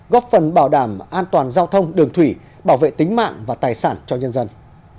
góp phần bảo đảm an toàn giao thông đường thủy bảo vệ tính mạng và tài sản cho nhân dân